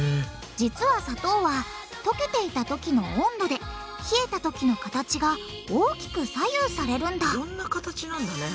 実は砂糖は溶けていた時の温度で冷えた時の形が大きく左右されるんだいろんな形なんだね。